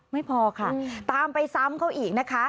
ไม่พอค่ะตามไปซ้ำเขาอีกนะคะ